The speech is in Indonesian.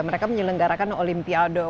mereka menyelenggarakan olimpiado